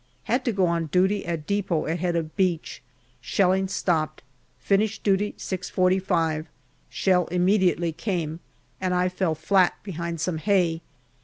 Had to go on duty at depot at head of beach. Shelling stopped. Finished duty 6.45. Shell immediately came, and I fell flat behind some hay.